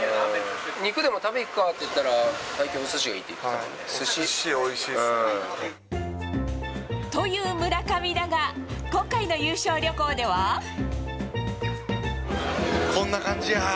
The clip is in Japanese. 肉でも食べに行くかって言ったら、おすしがいいって言ってたすしおいしいっすね。という村上だが、今回の優勝こんな感じやー。